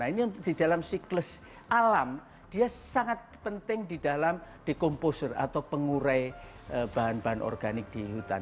ini di dalam siklus alam dia sangat penting di dalam dekomposer atau pengurai bahan bahan organik di hutan